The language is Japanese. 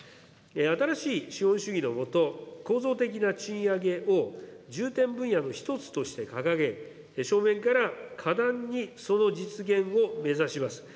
新しい資本主義の下、構造的な賃上げを重点分野の一つとして掲げ、正面から果断にその実現を目指します。